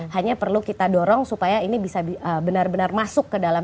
hanya perlu kita dorong supaya ini bisa benar benar masuk ke dalam